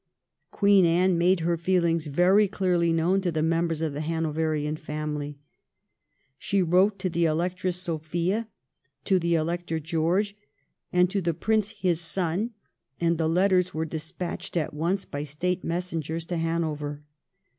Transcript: Queen Anne made her feelings very clearly known to the members of the Hanoverian family. She wrote to the Electress Sophia, to the Elector George, and to the Prince his son, and the letters were despatched at once by State messengers to Hanover.